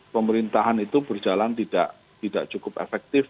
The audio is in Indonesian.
pemerintahan itu berjalan tidak cukup efektif